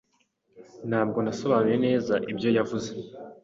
Ntabwo nasobanuye neza ibyo yavuze.